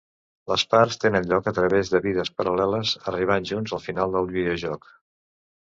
Les parts tenen lloc a través de vides paral·leles, arribant junts al final del videojoc.